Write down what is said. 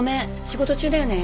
仕事中だよね？